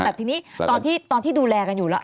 แต่ทีนี้ตอนที่ดูแลกันอยู่แล้ว